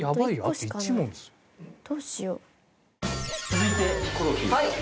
続いてヒコロヒーさん。